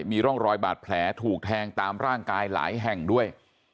มีร่องรอยบาดแผลถูกแทงตามร่างกายหลายแห่งด้วย